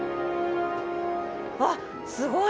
あっすごい！